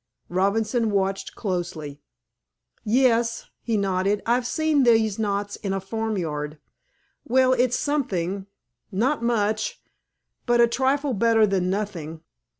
Robinson watched closely. "Yes," he nodded. "I've seen those knots in a farmyard.... Well, it's something—not much—but a trifle better than nothing....